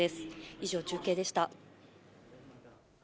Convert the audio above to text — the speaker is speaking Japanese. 以上、中継でした。